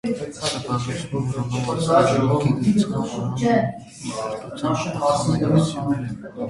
Սրբալույս մյուռոնով օծվել են եկեղեցու խորանը, մկրտության ավազանը և սյուները։